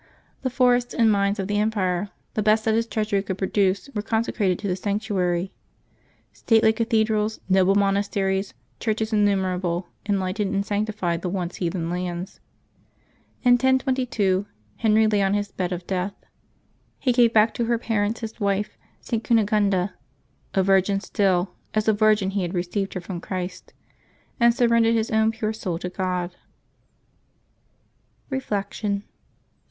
The forests and mines of the empire, the best that his treasury could produce, were consecrated to the sanctuary. Stately cathedrals, noble monasteries, churches innumerable, enlightened and sanctified the once heathen lands. In 1022 Henry lay oa his bed of death. He gave back to her parents his wife, St. Cunegunda, " a virgin still, as a virgin he had received her from Christ,'^ and surrendered his own pure soul to God. Reflection.